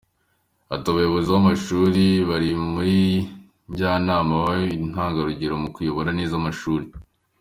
Ati “Abayobozi b’amashuri bari muri Njyanama babe intangarugero mu kuyobora neza amashuri.